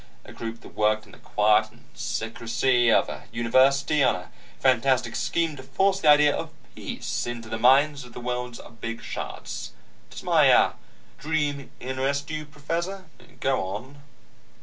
A group that worked in the quiet and secrecy of a University on a fantastic scheme to force the idea of peace into the minds of the world's big shots. Does my dream interest you, Professor?" "Go on."